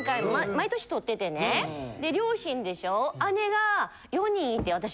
毎年撮っててね両親でしょ。へ。